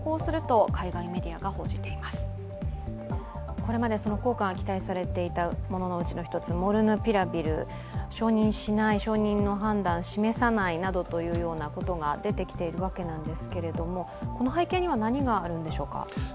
これまで効果が期待されていたもののうちの一つモルヌピラビル、承認しない承認の判断を示さないなどというようなことが出てきているわけなんですけれども、その背景には何があるんでしょうか？